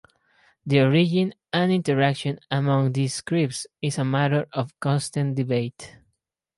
The origin and interaction among these scripts is a matter of constant debate.